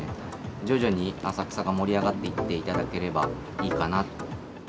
徐々に浅草が盛り上がっていっていただければいいかな。